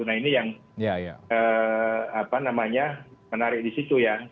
nah ini yang menarik disitu ya